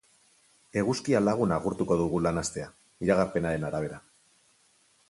Eguzkia lagun agurtuko dugu lan astea, iragarpenaren arabera.